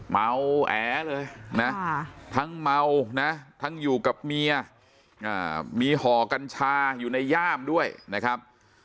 เมาแอเลยนะทั้งเมานะทั้งอยู่กับเมียมีห่อกัญชาอยู่ในย่ามด้วยนะครับ